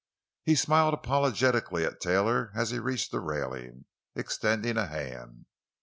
He smiled apologetically at Taylor as he reached the railing, extending a hand.